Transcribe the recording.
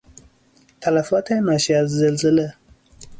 تلفات ناشی از زلزله